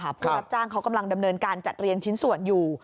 ผู้รับจ้างเขากำลังดำเนินการจัดเรียนชิ้นส่วนอยู่